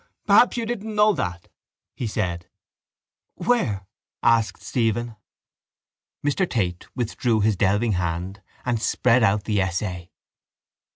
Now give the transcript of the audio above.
—Perhaps you didn't know that, he said. —Where? asked Stephen. Mr Tate withdrew his delving hand and spread out the essay.